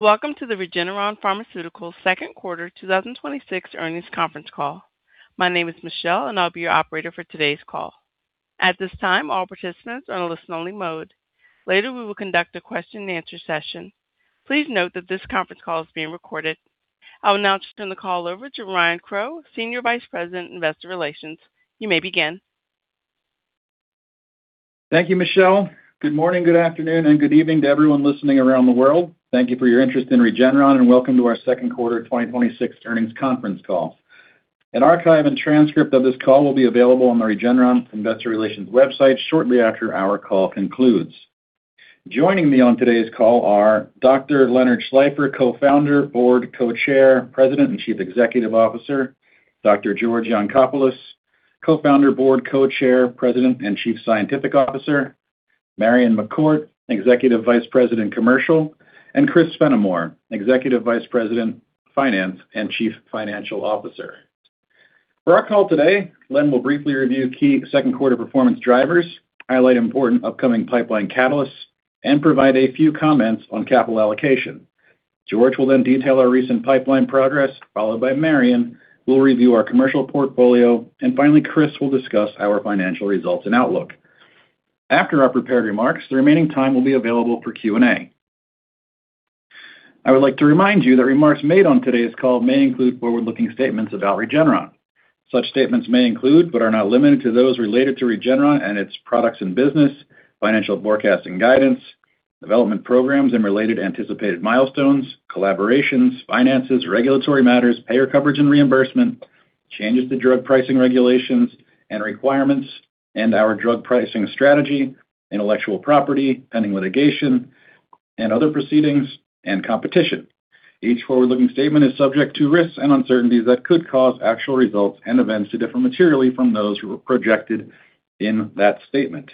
Welcome to the Regeneron Pharmaceuticals Second Quarter 2026 Earnings Conference Call. My name is Michelle and I'll be your operator for today's call. At this time, all participants are in a listen only mode. Later, we will conduct a question-and-answer session. Please note that this conference call is being recorded. I will now turn the call over to Ryan Crowe, Senior Vice President, Investor Relations. You may begin. Thank you, Michelle. Good morning, good afternoon, and good evening to everyone listening around the world. Thank you for your interest in Regeneron, welcome to our second quarter 2026 earnings conference call. An archive and transcript of this call will be available on the Regeneron Investor Relations website shortly after our call concludes. Joining me on today's call are Dr. Leonard Schleifer, co-founder, board co-chair, President, and Chief Executive Officer. Dr. George Yancopoulos, co-founder, board co-chair, President, and Chief Scientific Officer. Marion McCourt, Executive Vice President, Commercial, Chris Fenimore, Executive Vice President, Finance, and Chief Financial Officer. For our call today, Len will briefly review key second quarter performance drivers, highlight important upcoming pipeline catalysts, provide a few comments on capital allocation. George will then detail our recent pipeline progress, followed by Marion, who will review our commercial portfolio, finally, Chris will discuss our financial results and outlook. After our prepared remarks, the remaining time will be available for Q&A. I would like to remind you that remarks made on today's call may include forward-looking statements about Regeneron. Such statements may include, but are not limited to, those related to Regeneron and its products and business, financial forecasting guidance, development programs and related anticipated milestones, collaborations, finances, regulatory matters, payer coverage and reimbursement, changes to drug pricing regulations and requirements, our drug pricing strategy, intellectual property, pending litigation and other proceedings, competition. Each forward-looking statement is subject to risks and uncertainties that could cause actual results and events to differ materially from those projected in that statement.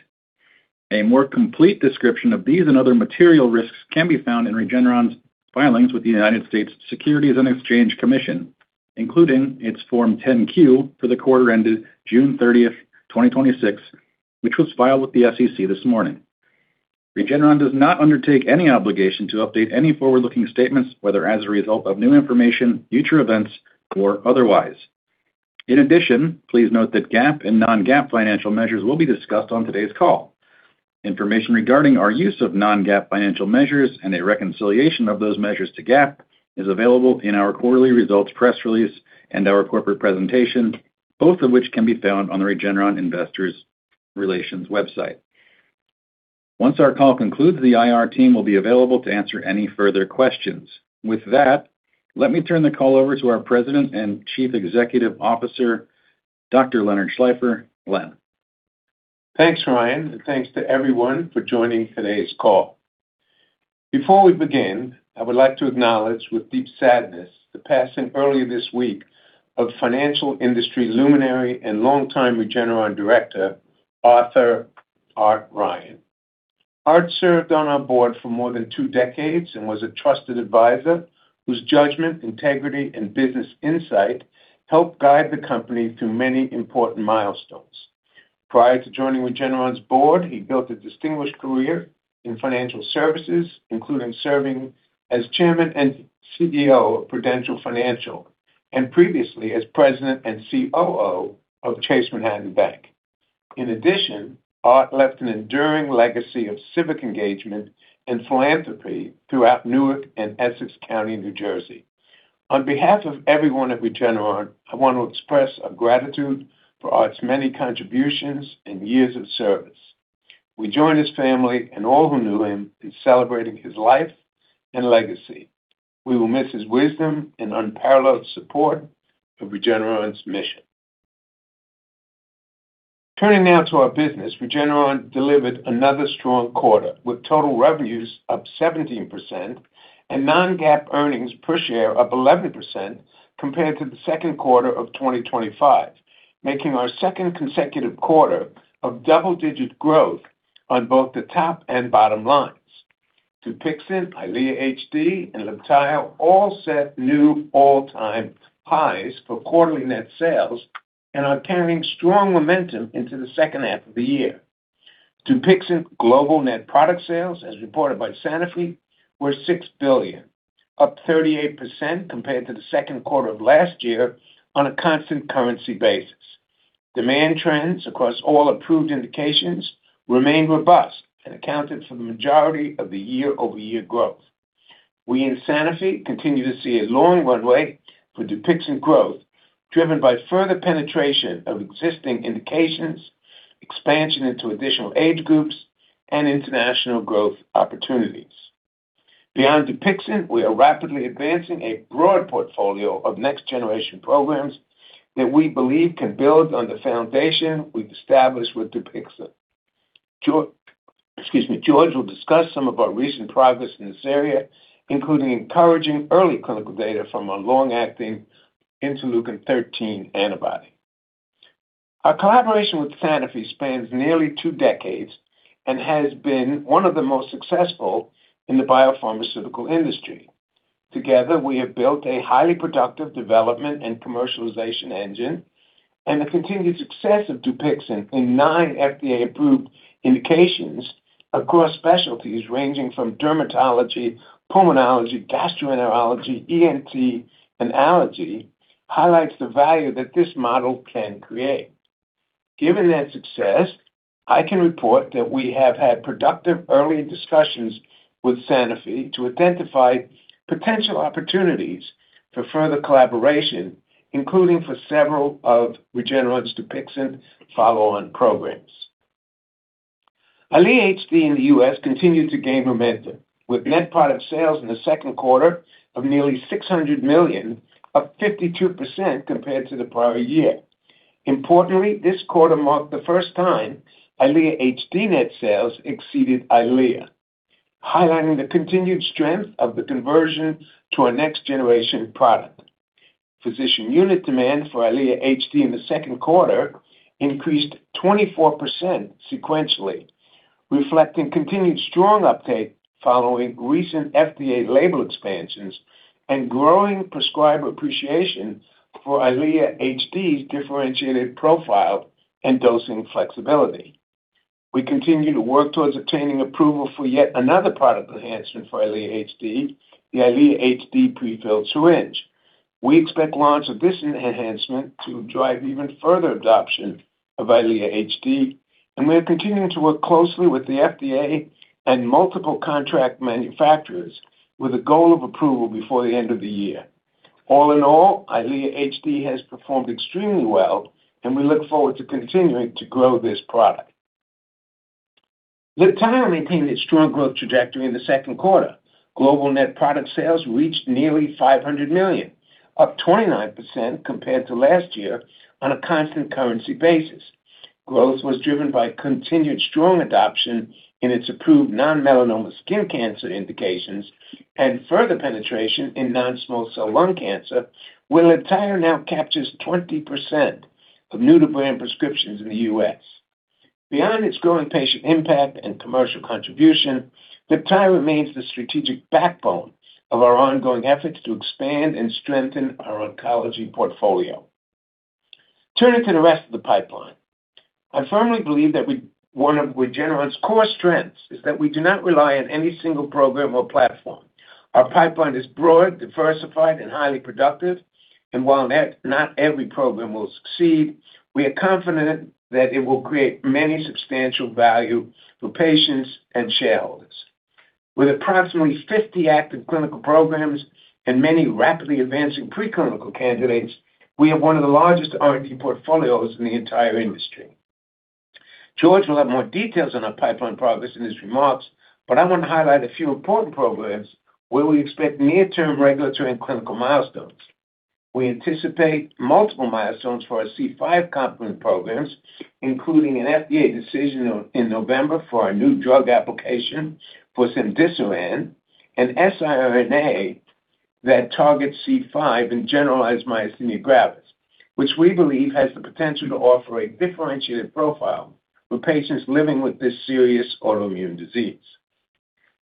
A more complete description of these and other material risks can be found in Regeneron's filings with the United States Securities and Exchange Commission, including its Form 10-Q for the quarter ended June 30th, 2026, which was filed with the SEC this morning. Regeneron does not undertake any obligation to update any forward-looking statements, whether as a result of new information, future events, or otherwise. Please note that GAAP and non-GAAP financial measures will be discussed on today's call. Information regarding our use of non-GAAP financial measures and a reconciliation of those measures to GAAP is available in our quarterly results press release our corporate presentation, both of which can be found on the Regeneron Investors Relations website. Once our call concludes, the IR team will be available to answer any further questions. With that, let me turn the call over to our President and Chief Executive Officer, Dr. Leonard Schleifer. Len. Thanks, Ryan, and thanks to everyone for joining today's call. Before we begin, I would like to acknowledge with deep sadness the passing earlier this week of financial industry luminary and longtime Regeneron Director, Arthur "Art" Ryan. Art served on our board for more than two decades and was a trusted advisor whose judgment, integrity, and business insight helped guide the company through many important milestones. Prior to joining Regeneron's board, he built a distinguished career in financial services, including serving as Chairman and CEO of Prudential Financial, and previously as President and COO of Chase Manhattan Bank. In addition, Art left an enduring legacy of civic engagement and philanthropy throughout Newark and Essex County, New Jersey. On behalf of everyone at Regeneron, I want to express our gratitude for Art's many contributions and years of service. We join his family and all who knew him in celebrating his life and legacy. We will miss his wisdom and unparalleled support of Regeneron's mission. Turning now to our business. Regeneron delivered another strong quarter, with total revenues up 17% and non-GAAP earnings per share up 11% compared to the second quarter of 2025, making our second consecutive quarter of double-digit growth on both the top and bottom lines. Dupixent, EYLEA HD, and Libtayo all set new all-time highs for quarterly net sales and are carrying strong momentum into the second half of the year. Dupixent global net product sales, as reported by Sanofi, were $6 billion, up 38% compared to the second quarter of last year on a constant currency basis. Demand trends across all approved indications remained robust and accounted for the majority of the year-over-year growth. We and Sanofi continue to see a long runway for Dupixent growth, driven by further penetration of existing indications, expansion into additional age groups, and international growth opportunities. Beyond Dupixent, we are rapidly advancing a broad portfolio of next-generation programs that we believe can build on the foundation we've established with Dupixent. George will discuss some of our recent progress in this area, including encouraging early clinical data from our long-acting interleukin 13 antibody. Our collaboration with Sanofi spans nearly two decades and has been one of the most successful in the biopharmaceutical industry. Together, we have built a highly productive development and commercialization engine, and the continued success of Dupixent in nine FDA-approved indications across specialties ranging from dermatology, pulmonology, gastroenterology, ENT, and allergy, highlights the value that this model can create. Given that success, I can report that we have had productive early discussions with Sanofi to identify potential opportunities for further collaboration, including for several of Regeneron's DUPIXENT follow-on programs. EYLEA HD in the U.S. continued to gain momentum with net product sales in the second quarter of nearly $600 million, up 52% compared to the prior year. Importantly, this quarter marked the first time EYLEA HD net sales exceeded EYLEA, highlighting the continued strength of the conversion to our next-generation product. Physician unit demand for EYLEA HD in the second quarter increased 24% sequentially, reflecting continued strong uptake following recent FDA label expansions and growing prescriber appreciation for EYLEA HD's differentiated profile and dosing flexibility. We continue to work towards obtaining approval for yet another product enhancement for EYLEA HD, the EYLEA HD pre-filled syringe. We expect launch of this enhancement to drive even further adoption of EYLEA HD. We are continuing to work closely with the FDA and multiple contract manufacturers with a goal of approval before the end of the year. All in all, EYLEA HD has performed extremely well. We look forward to continuing to grow this product. LIBTAYO maintained its strong growth trajectory in the second quarter. Global net product sales reached nearly $500 million, up 29% compared to last year on a constant currency basis. Growth was driven by continued strong adoption in its approved non-melanoma skin cancer indications and further penetration in non-small cell lung cancer, where LIBTAYO now captures 20% of new-to-brand prescriptions in the U.S. Beyond its growing patient impact and commercial contribution, LIBTAYO remains the strategic backbone of our ongoing efforts to expand and strengthen our oncology portfolio. Turning to the rest of the pipeline. I firmly believe that one of Regeneron's core strengths is that we do not rely on any single program or platform. Our pipeline is broad, diversified, and highly productive. While not every program will succeed, we are confident that it will create many substantial value for patients and shareholders. With approximately 50 active clinical programs and many rapidly advancing pre-clinical candidates, we have one of the largest R&D portfolios in the entire industry. George will have more details on our pipeline progress in his remarks. I want to highlight a few important programs where we expect near-term regulatory and clinical milestones. We anticipate multiple milestones for our C5 complement programs, including an FDA decision in November for our new drug application for cemdisiran, an siRNA that targets C5 and generalized myasthenia gravis, which we believe has the potential to offer a differentiated profile for patients living with this serious autoimmune disease.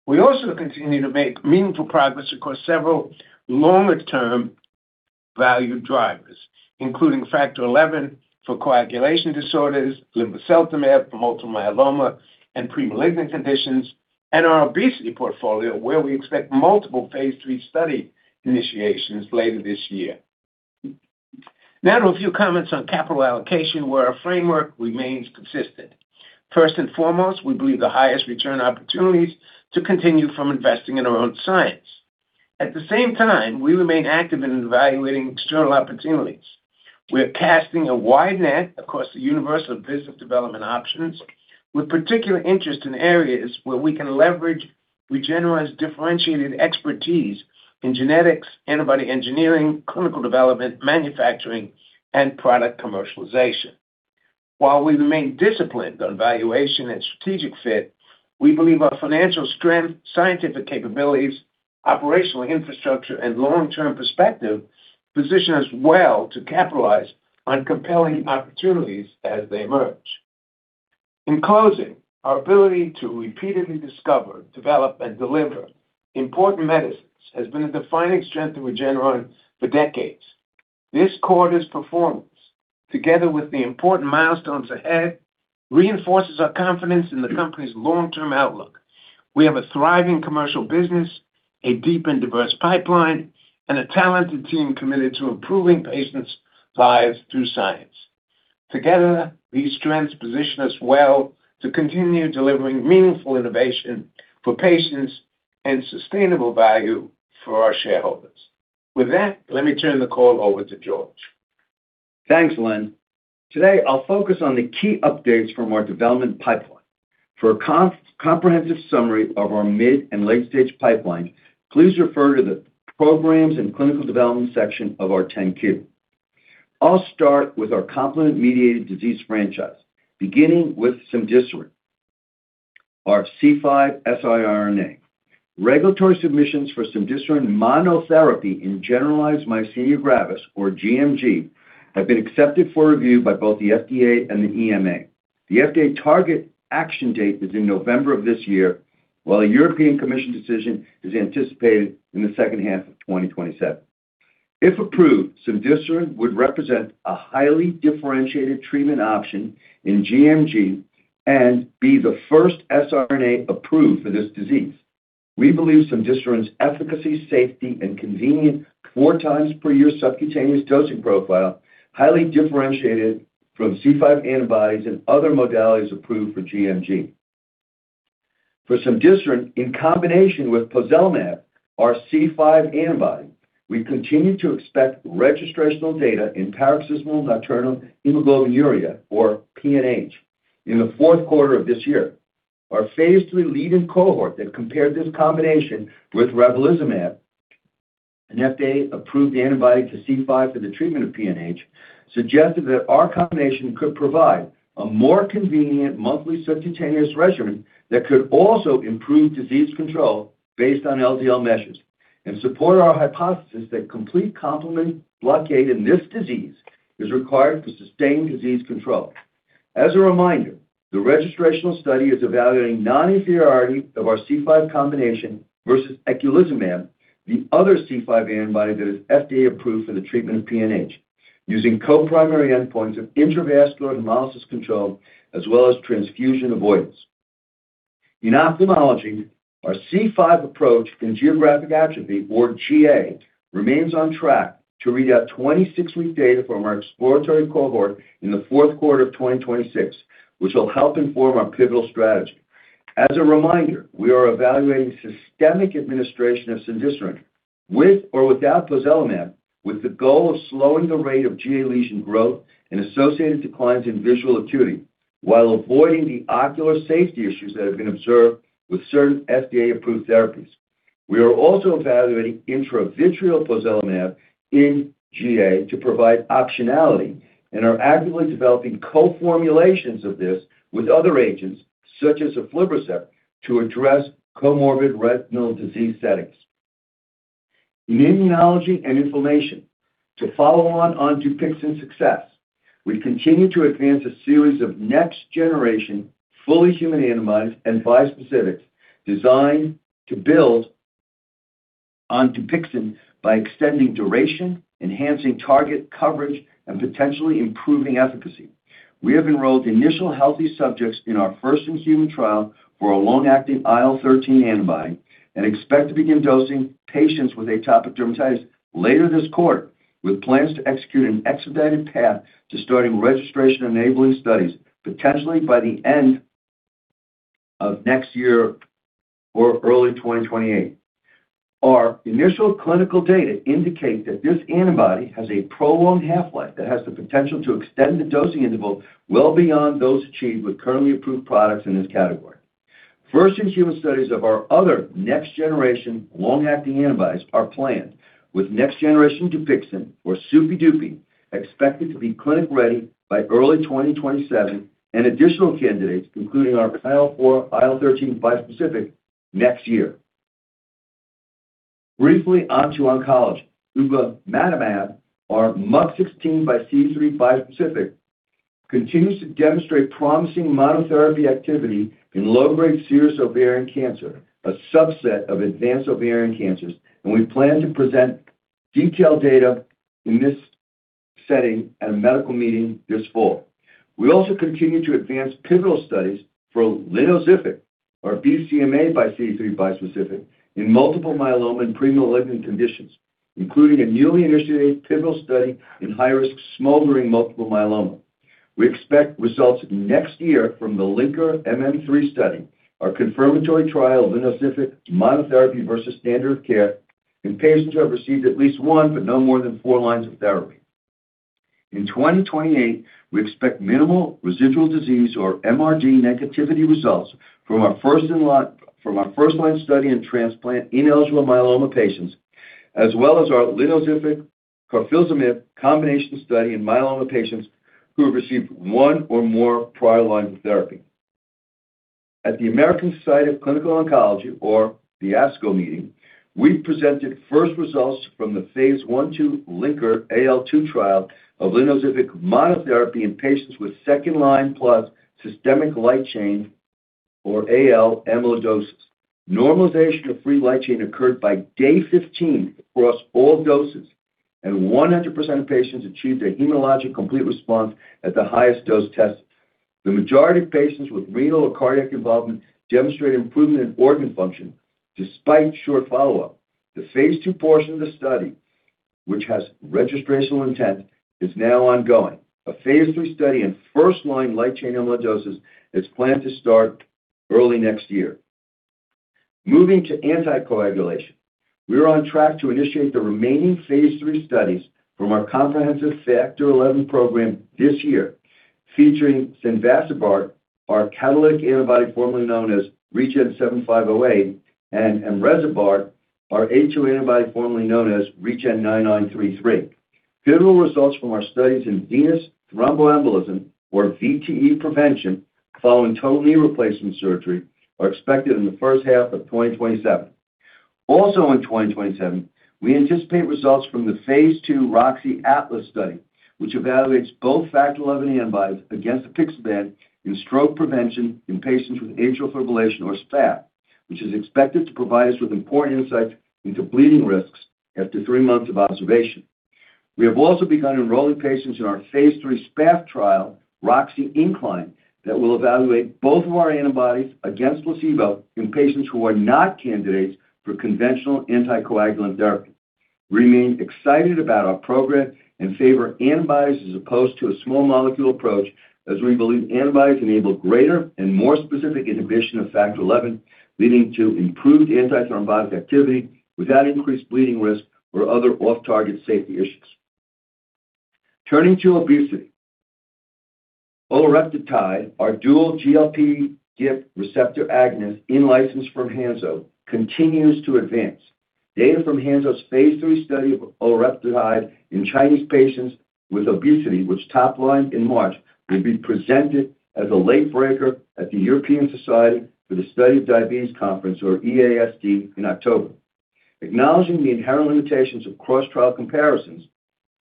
We also continue to make meaningful progress across several longer-term value drivers, including Factor XI for coagulation disorders, linvoseltamab for multiple myeloma and pre-malignant conditions, and our obesity portfolio, where we expect multiple phase III study initiations later this year. Now to a few comments on capital allocation, where our framework remains consistent. First and foremost, we believe the highest return opportunities to continue from investing in our own science. At the same time, we remain active in evaluating external opportunities. We're casting a wide net across the universe of business development options with particular interest in areas where we can leverage Regeneron's differentiated expertise in genetics, antibody engineering, clinical development, manufacturing, and product commercialization. While we remain disciplined on valuation and strategic fit, we believe our financial strength, scientific capabilities, operational infrastructure, and long-term perspective position us well to capitalize on compelling opportunities as they emerge. In closing, our ability to repeatedly discover, develop, and deliver important medicines has been a defining strength of Regeneron for decades. This quarter's performance, together with the important milestones ahead, reinforces our confidence in the company's long-term outlook. We have a thriving commercial business, a deep and diverse pipeline, and a talented team committed to improving patients' lives through science. Together, these trends position us well to continue delivering meaningful innovation for patients and sustainable value for our shareholders. With that, let me turn the call over to George. Thanks, Len. Today, I'll focus on the key updates from our development pipeline. For a comprehensive summary of our mid- and late-stage pipeline, please refer to the Programs & Clinical Development section of our 10-Q. I'll start with our complement-mediated disease franchise, beginning with cemdisiran, our C5 siRNA. Regulatory submissions for cemdisiran monotherapy in generalized myasthenia gravis, or gMG, have been accepted for review by both the FDA and the EMA. The FDA target action date is in November of this year, while a European Commission decision is anticipated in the second half of 2027. If approved, cemdisiran would represent a highly differentiated treatment option in gMG and be the first siRNA approved for this disease. We believe cemdisiran's efficacy, safety, and convenient 4x per year subcutaneous dosing profile highly differentiated from C5 antibodies and other modalities approved for gMG. For cemdisiran in combination with pozelimab, our C5 antibody, we continue to expect registrational data in paroxysmal nocturnal hemoglobinuria, or PNH, in the fourth quarter of this year. Our phase II leading cohort that compared this combination with eculizumab, an FDA-approved antibody to C5 for the treatment of PNH, suggested that our combination could provide a more convenient monthly subcutaneous regimen that could also improve disease control based on LDL measures and support our hypothesis that complete complement blockade in this disease is required for sustained disease control. As a reminder, the registrational study is evaluating non-inferiority of our C5 combination versus eculizumab, the other C5 antibody that is FDA-approved for the treatment of PNH, using co-primary endpoints of intravascular hemolysis control, as well as transfusion avoidance. In ophthalmology, our C5 approach in geographic atrophy, or GA, remains on track to read out 26-week data from our exploratory cohort in the fourth quarter of 2026, which will help inform our pivotal strategy. As a reminder, we are evaluating systemic administration of cemdisiran with or without pozelimab with the goal of slowing the rate of GA lesion growth and associated declines in visual acuity while avoiding the ocular safety issues that have been observed with certain FDA-approved therapies. We are also evaluating intravitreal pozelimab in GA to provide optionality and are actively developing co-formulations of this with other agents, such as eflorafib, to address comorbid retinal disease settings. In immunology and inflammation, to follow on DUPIXENT's success, we continue to advance a series of next-generation, fully human antibodies and bispecifics designed to build on DUPIXENT by extending duration, enhancing target coverage, and potentially improving efficacy. We have enrolled the initial healthy subjects in our first-in-human trial for a long-acting IL-13 antibody and expect to begin dosing patients with atopic dermatitis later this quarter, with plans to execute an expedited path to starting registration-enabling studies, potentially by the end of next year or early 2028. Our initial clinical data indicate that this antibody has a prolonged half-life that has the potential to extend the dosing interval well beyond those achieved with currently approved products in this category. First-in-human studies of our other next-generation long-acting antibodies are planned, with next generation DUPIXENT or Super-Dupy expected to be clinic ready by early 2027 and additional candidates, including our IL-4/IL-13 bispecific, next year. Briefly onto oncology. ubamatamab, our MUC16xCD3 bispecific, continues to demonstrate promising monotherapy activity in low-grade serous ovarian cancer, a subset of advanced ovarian cancers, and we plan to present detailed data in this setting at a medical meeting this fall. We also continue to advance pivotal studies for linvoseltamab, our BCMAxCD3 bispecific in multiple myeloma and pre-malignant conditions, including a newly initiated pivotal study in high-risk smoldering multiple myeloma. We expect results next year from the LINKER-MM3 study, our confirmatory trial of linvoseltamab monotherapy versus standard of care in patients who have received at least one but no more than four lines of therapy. In 2028, we expect minimal residual disease or MRD negativity results from our first-line study in transplant-ineligible myeloma patients, as well as our linvoseltamab carfilzomib combination study in myeloma patients who have received one or more prior lines of therapy. At the American Society of Clinical Oncology, or the ASCO meeting, we presented first results from the phase I/II LINKER-AL2 trial of linvoseltamab monotherapy in patients with second-line plus systemic light chain or AL amyloidosis. Normalization of free light chain occurred by day 15 across all doses, and 100% of patients achieved a hematologic complete response at the highest dose tested. The majority of patients with renal or cardiac involvement demonstrated improvement in organ function despite short follow-up. The phase II portion of the study, which has registrational intent, is now ongoing. A phase III study in first-line light chain amyloidosis is planned to start early next year. Moving to anticoagulation. We are on track to initiate the remaining phase III studies from our comprehensive Factor XI program this year, featuring cenvacibart, our catalytic antibody formerly known as REGN7508, and amrecibart, our A2 antibody formerly known as REGN9933. Pivotal results from our studies in venous thromboembolism or VTE prevention following total knee replacement surgery are expected in the first half of 2027. In 2027, we anticipate results from the phase II Roxy Atlas study, which evaluates both Factor XI antibodies against apixaban in stroke prevention in patients with atrial fibrillation or SPA, which is expected to provide us with important insights into bleeding risks after three months of observation. We have also begun enrolling patients in our phase III SPA trial, Roxy Incline, that will evaluate both of our antibodies against placebo in patients who are not candidates for conventional anticoagulant therapy. We remain excited about our program in favor of antibodies as opposed to a small molecule approach, as we believe antibodies enable greater and more specific inhibition of Factor XI, leading to improved antithrombotic activity without increased bleeding risk or other off-target safety issues. Turning to obesity. Olatorepatide, our dual GLP-1 receptor agonist in license from Hansoh, continues to advance. Data from Hansoh's phase III study of olatorepatide in Chinese patients with obesity, which top-lined in March, will be presented as a late breaker at the European Association for the Study of Diabetes Conference or EASD in October. Acknowledging the inherent limitations of cross-trial comparisons,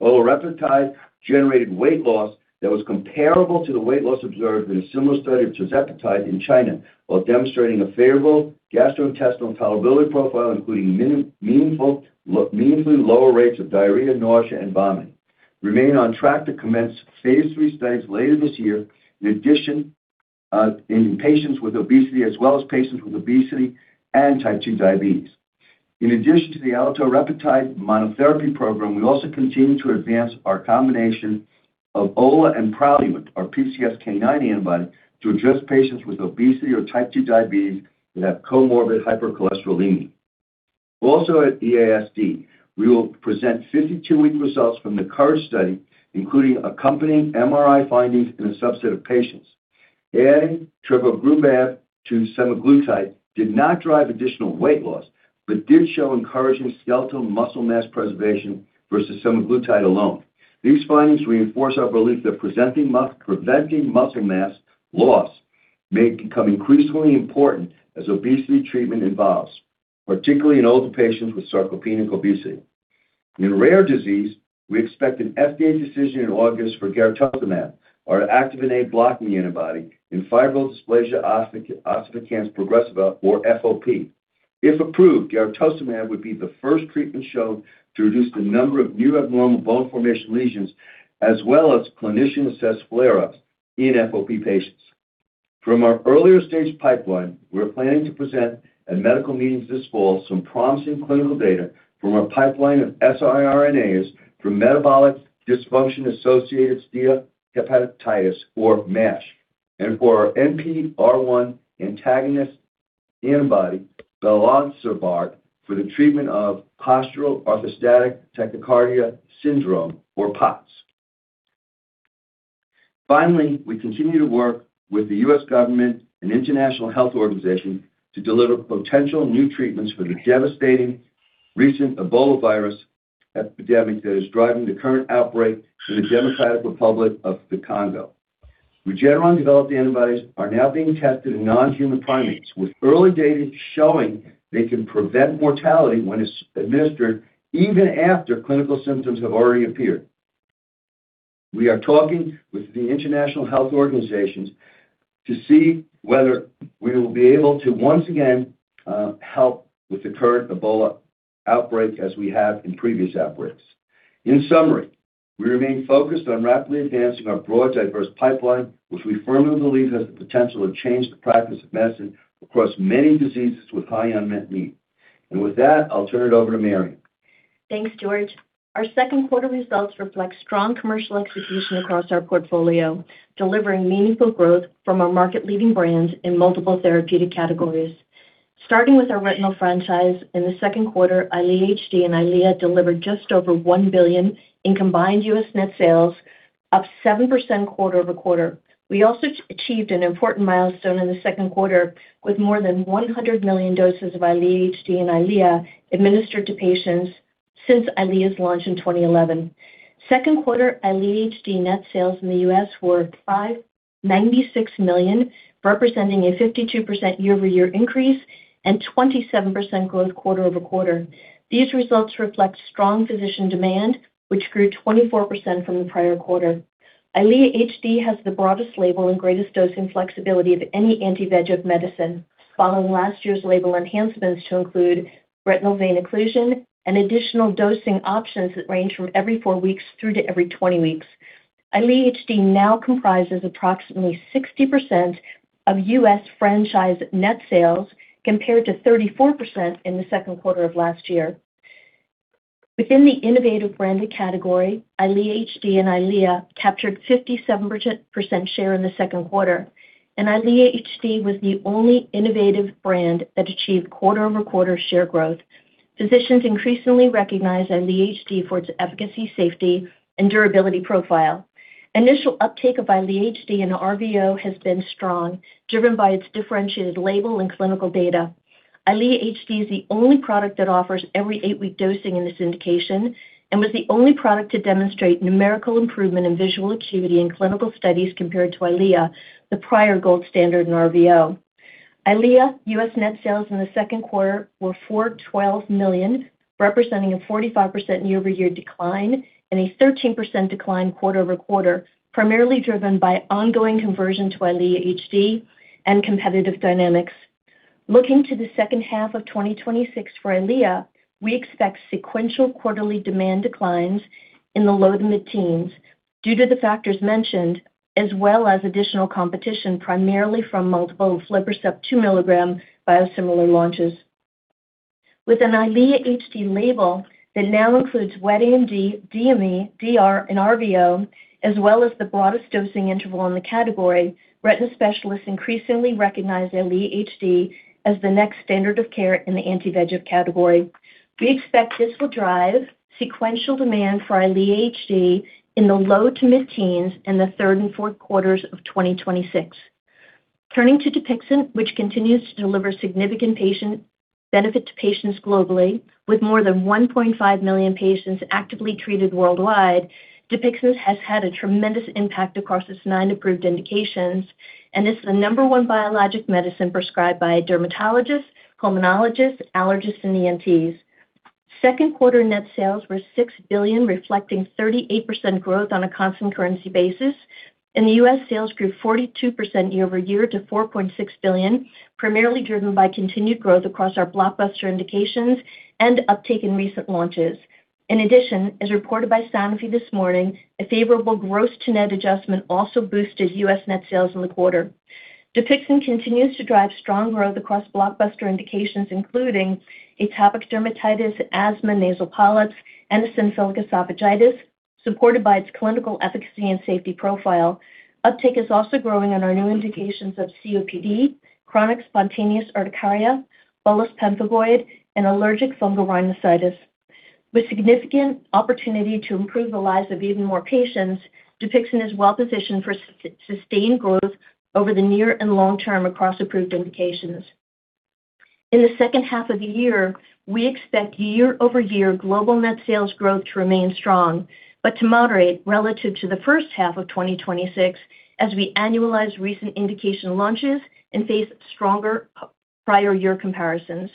olatorepatide generated weight loss that was comparable to the weight loss observed in a similar study of tirzepatide in China while demonstrating a favorable gastrointestinal tolerability profile, including meaningfully lower rates of diarrhea, nausea, and vomiting. We remain on track to commence phase III studies later this year in patients with obesity as well as patients with obesity and type 2 diabetes. In addition to the olatorepatide monotherapy program, we also continue to advance our combination of ola and PRALUENT, our PCSK9 antibody, to address patients with obesity or type 2 diabetes that have comorbid hypercholesterolemia. At EASD, we will present 52-week results from the COURAGE study, including accompanying MRI findings in a subset of patients. Adding trevogrumab to semaglutide did not drive additional weight loss, but did show encouraging skeletal muscle mass preservation versus semaglutide alone. These findings reinforce our belief that preventing muscle mass loss may become increasingly important as obesity treatment evolves, particularly in older patients with sarcopenic obesity. In rare disease, we expect an FDA decision in August for garetosmab, our activin A blocking antibody in fibrodysplasia ossificans progressiva or FOP. If approved, garetosmab would be the first treatment shown to reduce the number of new abnormal bone formation lesions, as well as clinician-assessed flare-ups in FOP patients. From our earlier-stage pipeline, we're planning to present at medical meetings this fall some promising clinical data from our pipeline of siRNAs for metabolic dysfunction-associated steatohepatitis or MASH, and for our NPR1 antagonist antibody, baloncibart, for the treatment of postural orthostatic tachycardia syndrome or POTS. We continue to work with the U.S. government and international health organizations to deliver potential new treatments for the devastating recent Ebola virus epidemic that is driving the current outbreak in the Democratic Republic of the Congo. Regeneron-developed antibodies are now being tested in non-human primates with early data showing they can prevent mortality when it's administered even after clinical symptoms have already appeared. We are talking with the international health organizations to see whether we will be able to once again help with the current Ebola outbreak as we have in previous outbreaks. In summary, we remain focused on rapidly advancing our broad, diverse pipeline, which we firmly believe has the potential to change the practice of medicine across many diseases with high unmet need. With that, I'll turn it over to Marion. Thanks, George. Our second quarter results reflect strong commercial execution across our portfolio, delivering meaningful growth from our market-leading brands in multiple therapeutic categories. Starting with our retinal franchise in the second quarter, Eylea HD and Eylea delivered just over $1 billion in combined U.S. net sales, up 7% quarter-over-quarter. We also achieved an important milestone in the second quarter, with more than 100 million doses of Eylea HD and Eylea administered to patients since Eylea's launch in 2011. Second quarter Eylea HD net sales in the U.S. were $596 million, representing a 52% year-over-year increase and 27% growth quarter-over-quarter. These results reflect strong physician demand, which grew 24% from the prior quarter. Eylea HD has the broadest label and greatest dosing flexibility of any anti-VEGF medicine following last year's label enhancements to include retinal vein occlusion and additional dosing options that range from every four weeks through to every 20 weeks. Eylea HD now comprises approximately 60% of U.S. franchise net sales compared to 34% in the second quarter of last year. Within the innovative branded category, Eylea HD and Eylea captured 57% share in the second quarter and Eylea HD was the only innovative brand that achieved quarter-over-quarter share growth. Physicians increasingly recognize Eylea HD for its efficacy, safety, and durability profile. Initial uptake of Eylea HD in RVO has been strong, driven by its differentiated label and clinical data. Eylea HD is the only product that offers every eight-week dosing in this indication and was the only product to demonstrate numerical improvement in visual acuity in clinical studies compared to Eylea, the prior gold standard in RVO. Eylea U.S. net sales in the second quarter were $412 million, representing a 45% year-over-year decline and a 13% decline quarter-over-quarter, primarily driven by ongoing conversion to Eylea HD and competitive dynamics. Looking to the second half of 2026 for Eylea, we expect sequential quarterly demand declines in the low to mid-teens due to the factors mentioned, as well as additional competition, primarily from multiple aflibercept 2mg biosimilar launches. With an Eylea HD label that now includes wet AMD, DME, DR, and RVO, as well as the broadest dosing interval in the category, retina specialists increasingly recognize Eylea HD as the next standard of care in the anti-VEGF category. We expect this will drive sequential demand for EYLEA HD in the low-to-mid teens in the third and fourth quarters of 2026. Turning to DUPIXENT, which continues to deliver significant benefit to patients globally. With more than 1.5 million patients actively treated worldwide, DUPIXENT has had a tremendous impact across its nine approved indications and is the number one biologic medicine prescribed by dermatologists, pulmonologists, allergists, and ENTs. Second quarter net sales were $6 billion, reflecting 38% growth on a constant currency basis. U.S. sales grew 42% year-over-year to $4.6 billion, primarily driven by continued growth across our blockbuster indications and uptake in recent launches. In addition, as reported by Sanofi this morning, a favorable gross-to-net adjustment also boosted U.S. net sales in the quarter. DUPIXENT continues to drive strong growth across blockbuster indications, including atopic dermatitis, asthma, nasal polyps, and eosinophilic esophagitis, supported by its clinical efficacy and safety profile. Uptake is also growing on our new indications of COPD, chronic spontaneous urticaria, bullous pemphigoid, and allergic fungal sinusitis. With significant opportunity to improve the lives of even more patients, DUPIXENT is well positioned for sustained growth over the near and long term across approved indications. In the second half of the year, we expect year-over-year global net sales growth to remain strong, but to moderate relative to the first half of 2026 as we annualize recent indication launches and face stronger prior year comparisons.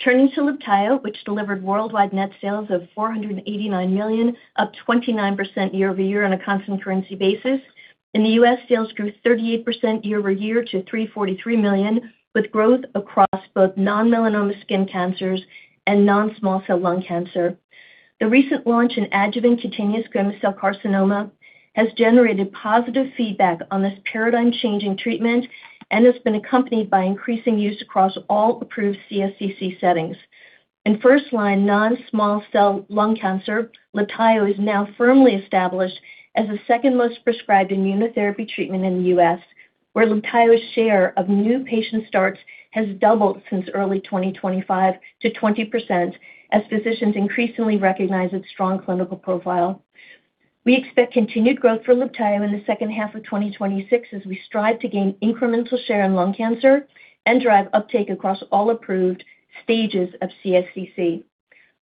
Turning to LIBTAYO, which delivered worldwide net sales of $489 million, up 29% year-over-year on a constant currency basis. In the U.S., sales grew 38% year-over-year to $343 million, with growth across both non-melanoma skin cancers and non-small cell lung cancer. The recent launch in adjuvant cutaneous squamous cell carcinoma has generated positive feedback on this paradigm-changing treatment and has been accompanied by increasing use across all approved CSCC settings. In first-line non-small cell lung cancer, LIBTAYO is now firmly established as the second most prescribed immunotherapy treatment in the U.S., where LIBTAYO's share of new patient starts has doubled since early 2025 to 20% as physicians increasingly recognize its strong clinical profile. We expect continued growth for LIBTAYO in the second half of 2026 as we strive to gain incremental share in lung cancer and drive uptake across all approved stages of CSCC.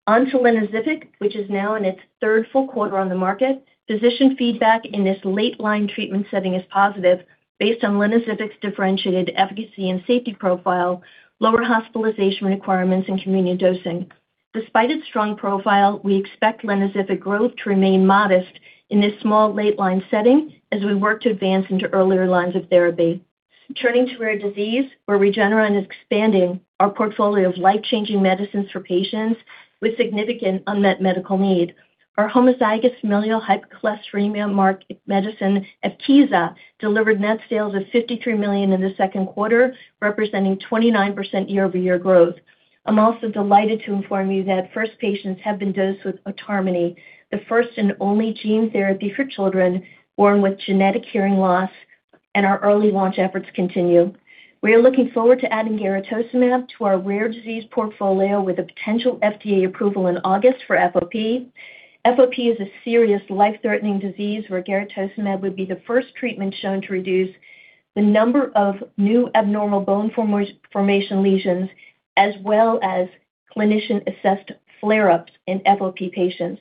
Onto LYNOZYFIC, which is now in its third full quarter on the market. Physician feedback in this late-line treatment setting is positive based on LYNOZYFIC's differentiated efficacy and safety profile, lower hospitalization requirements, and convenient dosing. Despite its strong profile, we expect LYNOZYFIC growth to remain modest in this small late-line setting as we work to advance into earlier lines of therapy. Turning to rare disease, where Regeneron is expanding our portfolio of life-changing medicines for patients with significant unmet medical need. Our homozygous familial hypercholesterolemia medicine, EVKEEZA, delivered net sales of $53 million in the second quarter, representing 29% year-over-year growth. I am also delighted to inform you that first patients have been dosed with Otarmeni, the first and only gene therapy for children born with genetic hearing loss, and our early launch efforts continue. We are looking forward to adding garetosmab to our rare disease portfolio with a potential FDA approval in August for FOP. FOP is a serious, life-threatening disease where garetosmab would be the first treatment shown to reduce the number of new abnormal bone formation lesions, as well as clinician-assessed flare-ups in FOP patients.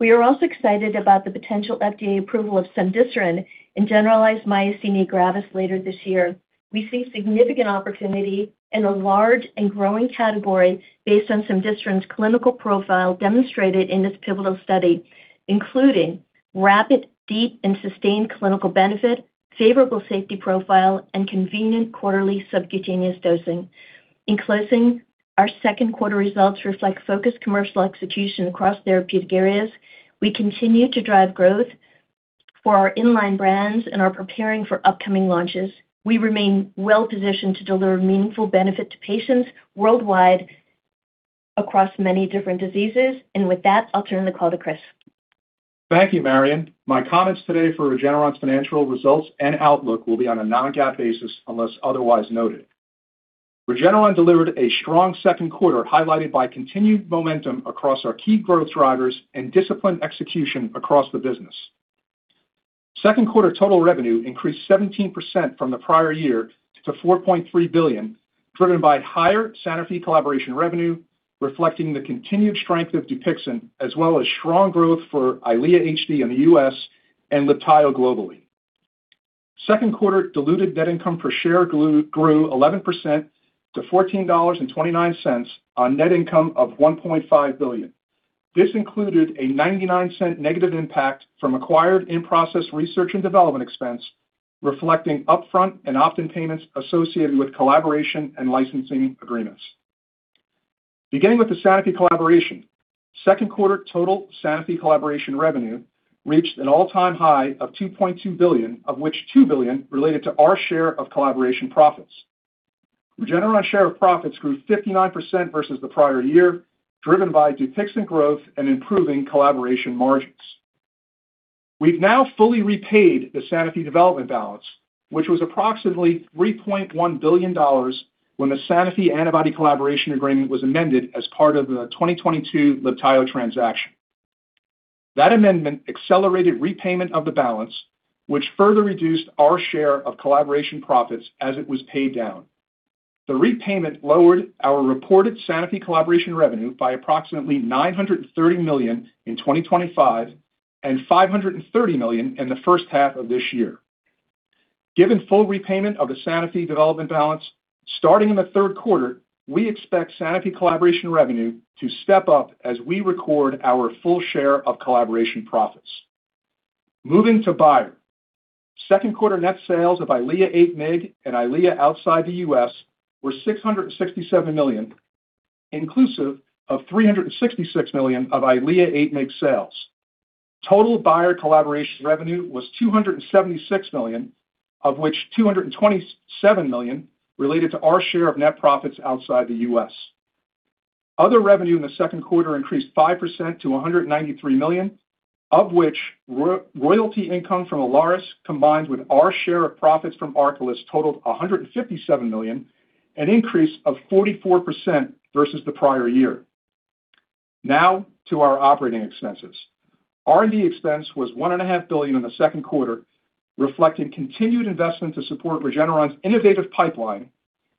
We are also excited about the potential FDA approval of cemdisiran in generalized myasthenia gravis later this year. We see significant opportunity in a large and growing category based on cemdisiran's clinical profile demonstrated in this pivotal study, including rapid, deep, and sustained clinical benefit, favorable safety profile, and convenient quarterly subcutaneous dosing. In closing, our second quarter results reflect focused commercial execution across therapeutic areas. We continue to drive growth for our in-line brands and are preparing for upcoming launches. We remain well-positioned to deliver meaningful benefit to patients worldwide across many different diseases. With that, I'll turn the call to Chris. Thank you, Marion. My comments today for Regeneron's financial results and outlook will be on a non-GAAP basis unless otherwise noted. Regeneron delivered a strong second quarter, highlighted by continued momentum across our key growth drivers and disciplined execution across the business. Second quarter total revenue increased 17% from the prior year to $4.3 billion, driven by higher Sanofi collaboration revenue, reflecting the continued strength of DUPIXENT, as well as strong growth for EYLEA HD in the U.S. and LIBTAYO globally. Second quarter diluted net income per share grew 11% to $14.29 on net income of $1.5 billion. This included a $0.99 negative impact from acquired in-process research and development expense, reflecting upfront and opt-in payments associated with collaboration and licensing agreements. Beginning with the Sanofi collaboration, second quarter total Sanofi collaboration revenue reached an all-time high of $2.2 billion, of which $2 billion related to our share of collaboration profits. Regeneron share of profits grew 59% versus the prior year, driven by DUPIXENT growth and improving collaboration margins. We've now fully repaid the Sanofi development balance, which was approximately $3.1 billion when the Sanofi antibody collaboration agreement was amended as part of the 2022 LIBTAYO transaction. That amendment accelerated repayment of the balance, which further reduced our share of collaboration profits as it was paid down. The repayment lowered our reported Sanofi collaboration revenue by approximately $930 million in 2025 and $530 million in the first half of this year. Given full repayment of the Sanofi development balance, starting in the third quarter, we expect Sanofi collaboration revenue to step up as we record our full share of collaboration profits. Moving to Bayer. Second quarter net sales of EYLEA 8mg and EYLEA outside the U.S. were $667 million, inclusive of $366 million of EYLEA 8mg sales. Total Bayer collaboration revenue was $276 million, of which $227 million related to our share of net profits outside the U.S. Other revenue in the second quarter increased 5% to $193 million, of which royalty income from Aclaris combined with our share of profits from Arkylas totaled $157 million, an increase of 44% versus the prior year. Now to our operating expenses. R&D expense was $1.5 billion in the second quarter, reflecting continued investment to support Regeneron's innovative pipeline,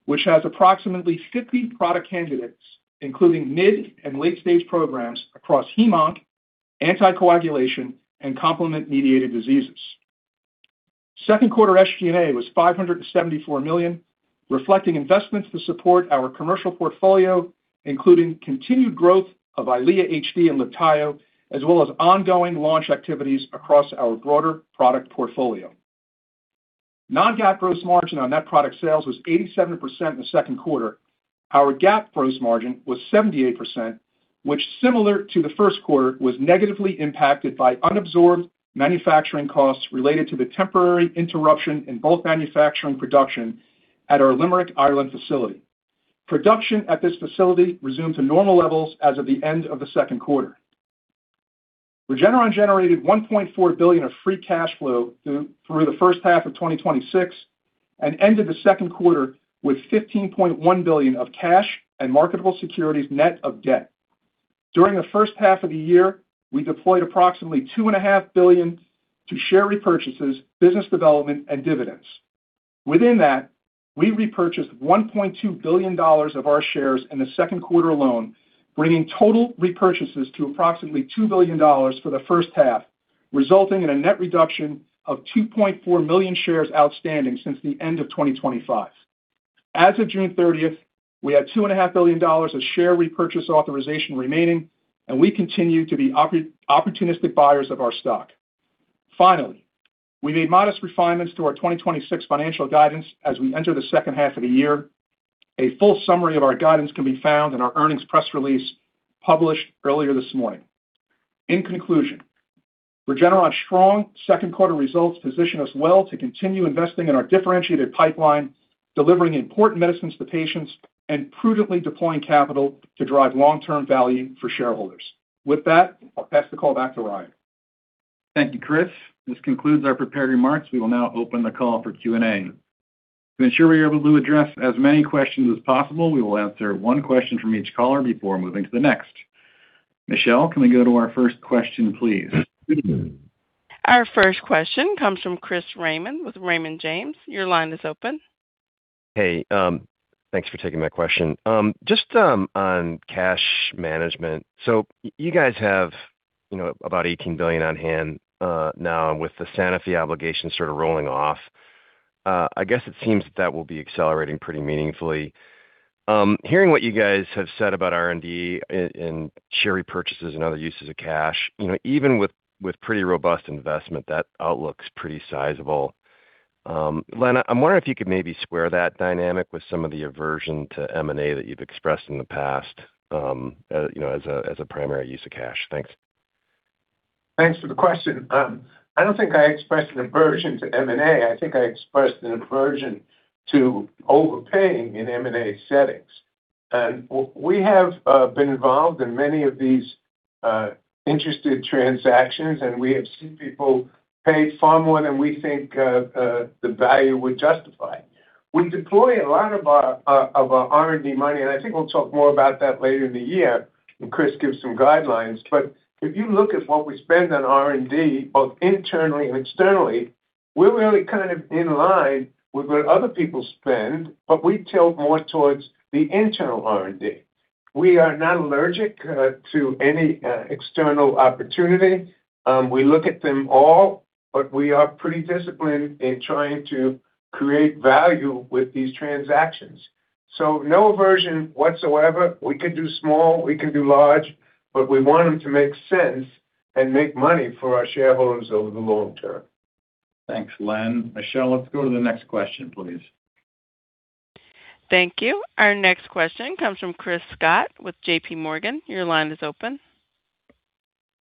which has approximately 50 product candidates, including mid and late-stage programs across heme-onc, anticoagulation, and complement-mediated diseases. Second quarter SG&A was $574 million, reflecting investments to support our commercial portfolio, including continued growth of EYLEA HD and LIBTAYO, as well as ongoing launch activities across our broader product portfolio. Non-GAAP gross margin on net product sales was 87% in the second quarter. Our GAAP gross margin was 78%, which, similar to the first quarter, was negatively impacted by unabsorbed manufacturing costs related to the temporary interruption in bulk manufacturing production at our Limerick, Ireland, facility. Production at this facility resumed to normal levels as of the end of the second quarter. Regeneron generated $1.4 billion of free cash flow through the first half of 2026 and ended the second quarter with $15.1 billion of cash and marketable securities net of debt. During the first half of the year, we deployed approximately $2.5 billion to share repurchases, business development, and dividends. Within that, we repurchased $1.2 billion of our shares in the second quarter alone, bringing total repurchases to approximately $2 billion for the first half, resulting in a net reduction of 2.4 million shares outstanding since the end of 2025. As of June 30th, we had $2.5 billion of share repurchase authorization remaining, and we continue to be opportunistic buyers of our stock. Finally, we made modest refinements to our 2026 financial guidance as we enter the second half of the year. A full summary of our guidance can be found in our earnings press release published earlier this morning. In conclusion, Regeneron's strong second quarter results position us well to continue investing in our differentiated pipeline, delivering important medicines to patients, and prudently deploying capital to drive long-term value for shareholders. With that, I'll pass the call back to Ryan. Thank you, Chris. This concludes our prepared remarks. We will now open the call for Q&A. To ensure we are able to address as many questions as possible, we will answer one question from each caller before moving to the next. Michelle, can we go to our first question, please? Our first question comes from Chris Raymond with Raymond James. Your line is open. Hey, thanks for taking my question. Just on cash management. You guys have about $18 billion on hand now with the Sanofi obligations sort of rolling off. I guess it seems that will be accelerating pretty meaningfully. Hearing what you guys have said about R&D and share repurchases and other uses of cash, even with pretty robust investment, that outlook's pretty sizable. Len, I'm wondering if you could maybe square that dynamic with some of the aversion to M&A that you've expressed in the past as a primary use of cash. Thanks. Thanks for the question. I don't think I expressed an aversion to M&A. I think I expressed an aversion to overpaying in M&A settings. We have been involved in many of these interested transactions. We have seen people pay far more than we think the value would justify. We deploy a lot of our R&D money, and I think we'll talk more about that later in the year when Chris gives some guidelines. If you look at what we spend on R&D, both internally and externally, we're really kind of in line with what other people spend, but we tilt more towards the internal R&D We are not allergic to any external opportunity. We look at them all. We are pretty disciplined in trying to create value with these transactions. No aversion whatsoever. We can do small, we can do large. We want them to make sense and make money for our shareholders over the long term. Thanks, Len. Michelle, let's go to the next question, please. Thank you. Our next question comes from Chris Scott with JPMorgan. Your line is open.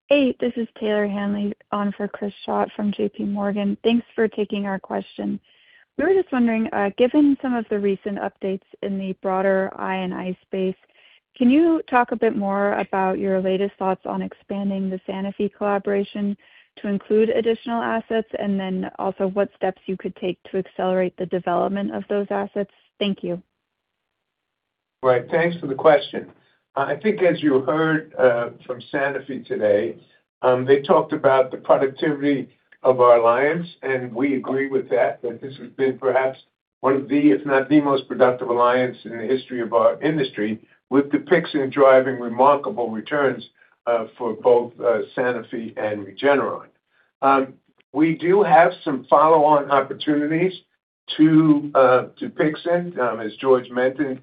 Hey, this is Taylor Henley on for Chris Scott from JPMorgan. Thanks for taking our question. We were just wondering, given some of the recent updates in the broader I & I space, can you talk a bit more about your latest thoughts on expanding the Sanofi collaboration to include additional assets? Also what steps you could take to accelerate the development of those assets? Thank you. Right. Thanks for the question. I think as you heard from Sanofi today, they talked about the productivity of our alliance. We agree with that this has been perhaps one of the, if not the most productive alliance in the history of our industry, with DUPIXENT driving remarkable returns for both Sanofi and Regeneron. We do have some follow-on opportunities to DUPIXENT, as George mentioned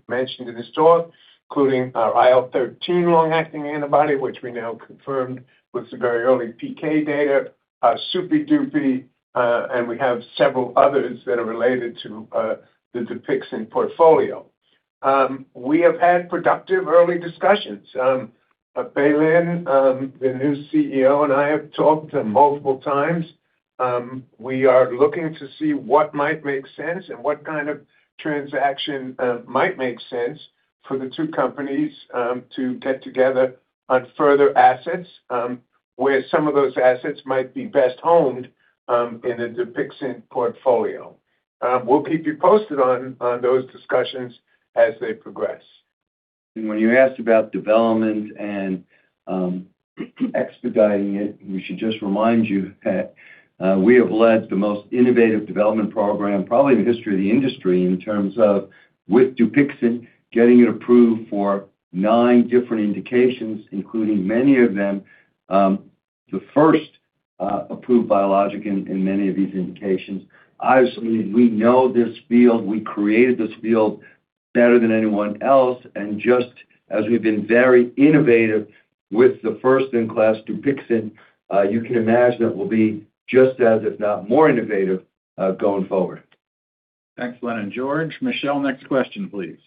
in his talk, including our IL-13 long-acting antibody, which we now confirmed with some very early PK data, dupilumab, and we have several others that are related to the DUPIXENT portfolio. We have had productive early discussions. BaiLYn, the new CEO, and I have talked multiple times. We are looking to see what might make sense and what kind of transaction might make sense for the two companies to get together on further assets, where some of those assets might be best owned in a DUPIXENT portfolio. We'll keep you posted on those discussions as they progress. When you asked about development and expediting it, we should just remind you that we have led the most innovative development program, probably in the history of the industry, in terms of with DUPIXENT, getting it approved for nine different indications, including many of them, the first approved biologic in many of these indications. Obviously, we know this field, we created this field better than anyone else, and just as we've been very innovative with the first-in-class DUPIXENT, you can imagine that we'll be just as, if not more innovative going forward. Thanks, Len and George. Michelle, next question, please.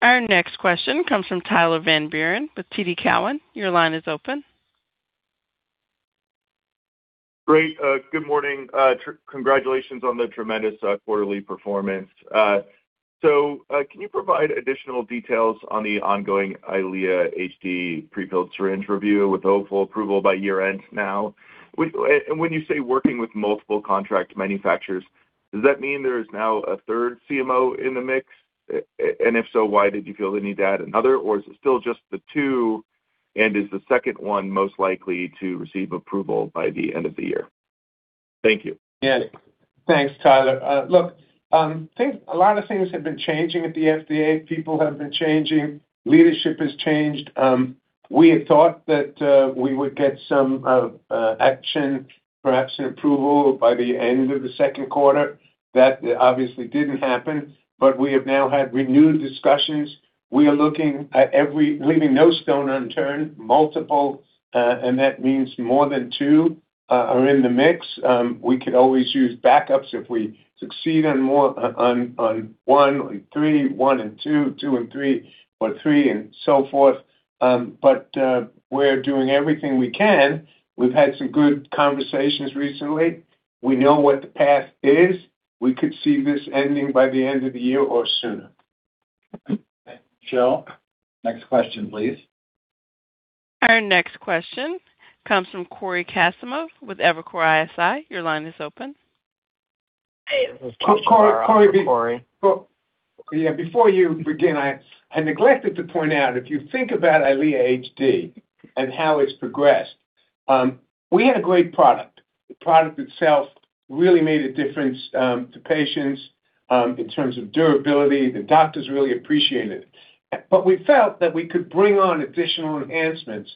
Our next question comes from Tyler Van Buren with TD Cowen. Your line is open. Great. Good morning. Congratulations on the tremendous quarterly performance. Can you provide additional details on the ongoing EYLEA HD prefilled syringe review with hopeful approval by year-end now? When you say working with multiple contract manufacturers, does that mean there is now a third CMO in the mix? If so, why did you feel the need to add another? Or is it still just the two? Is the second one most likely to receive approval by the end of the year? Thank you. Yeah, thanks, Tyler. A lot of things have been changing at the FDA. People have been changing. Leadership has changed. We had thought that we would get some action, perhaps an approval by the end of the second quarter. That obviously didn't happen. We have now had renewed discussions. We are looking at leaving no stone unturned, multiple, and that means more than two are in the mix. We could always use backups if we succeed on one, on three, one and two and three, or three and so forth. We're doing everything we can. We've had some good conversations recently. We know what the path is. We could see this ending by the end of the year or sooner. Michelle, next question, please. Our next question comes from Cory Kasimov with Evercore ISI. Your line is open. Hey. Cory, before you begin, I neglected to point out, if you think about EYLEA HD and how it's progressed, we had a great product. The product itself really made a difference to patients in terms of durability. The doctors really appreciate it. We felt that we could bring on additional enhancements